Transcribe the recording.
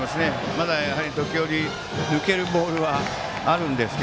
まだ、時折抜けるボールはあるんですが